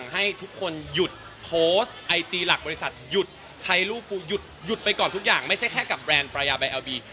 ให้ทุกคนหยุดโพสต์ไอจีหลักบริษัทหยุดใช้รูปกูหยุดไปก่อนทุกอย่างไม่ใช่แค่กับแบรนด์ปรายาไยแอลบี